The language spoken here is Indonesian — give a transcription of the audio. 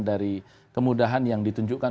dari kemudahan yang ditunjukkan